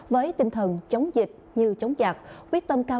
với tinh thần chống dịch như chống giặc quyết tâm cao